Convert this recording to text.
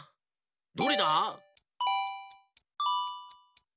どれだ？